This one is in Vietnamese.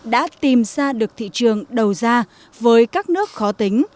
đã tìm ra được thị trường đầu ra với các nước khó tính